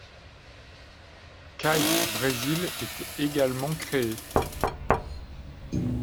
Qype Brésil est également créé.